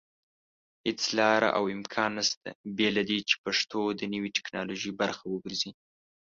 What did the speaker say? هيڅ لاره او امکان نشته بېله دې چې پښتو د نوي ټيکنالوژي پرخه وګرځي